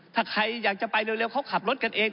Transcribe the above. ถ้าใครอยากจะไปเร็วเขาขับรถกันเอง